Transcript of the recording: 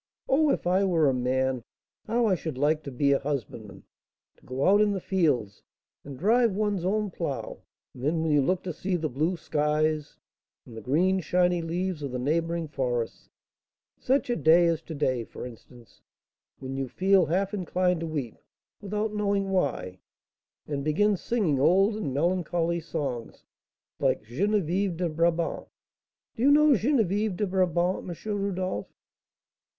Oh, if I were a man, how I should like to be a husbandman, to go out in the fields, and drive one's own plough; and then when you look to see the blue skies, and the green shiny leaves of the neighbouring forests, such a day as to day, for instance, when you feel half inclined to weep, without knowing why, and begin singing old and melancholy songs, like 'Geneviève de Brabant.' Do you know 'Geneviève de Brabant,' M. Rodolph?"